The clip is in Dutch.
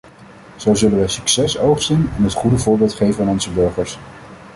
Zo zullen wij succes oogsten en het goede voorbeeld geven aan onze burgers.